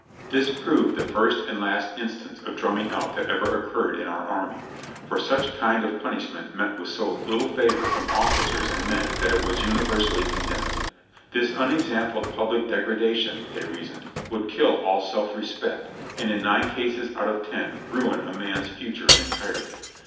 "^ This proved the first and last instance of "drumming out" that ever occurred in our army, for such kind of punishment met with so httle favor from officers and men that it was universally con demned. This unexampled public degradation, they reasoned, would kill all self respect, and in nine cases out of ten ruin a man's future entirely.